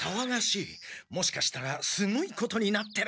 もしかしたらすごいことになってるのかも。